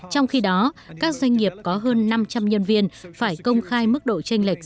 trong khi đó các doanh nghiệp có hơn năm trăm linh nhân viên phải công khai mức độ tranh lệch